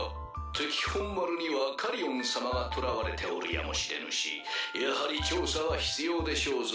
敵本丸にはカリオン様がとらわれておるやもしれぬしやはり調査は必要でしょうぞ。